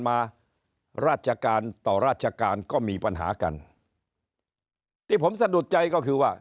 มาราชการต่อราชการก็มีปัญหากันที่ผมสะดุดใจก็คือว่า